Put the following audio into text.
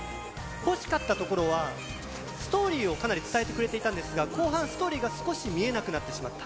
惜しかったところは、ストーリーをかなり伝えてくれていたんですが、後半、ストーリーが少し見えなくなってしまった。